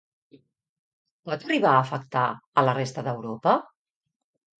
Pot arribar a afectar a la resta d'Europa?